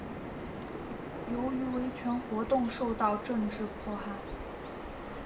由于维权活动受到政治迫害。